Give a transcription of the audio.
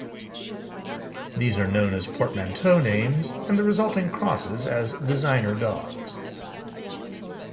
These are known as portmanteau names and the resulting crosses as designer dogs.